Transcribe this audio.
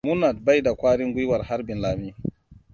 Mummad bai da kwarin gwiwar harbin Lami.